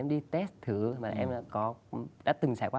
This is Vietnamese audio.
đi test thử mà em đã từng trải qua